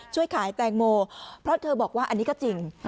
ช่วยขายแตงโมเพราะเธอบอกว่าอันนี้ก็จริง